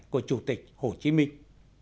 của chủ tịch hồ chí minh